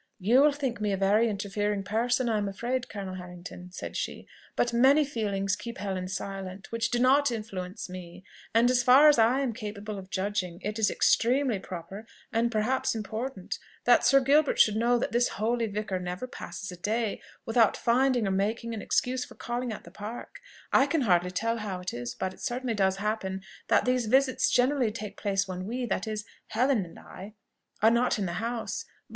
"You will think me a very interfering person, I am afraid, Colonel Harrington," said she; "but many feelings keep Helen silent which do not influence me; and, as far as I am capable of judging, it is extremely proper, and perhaps important, that Sir Gilbert should know that this holy vicar never passes a day without finding or making an excuse for calling at the Park. I can hardly tell how it is, but it certainly does happen, that these visits generally take place when we that is, Helen and I are not in the house; but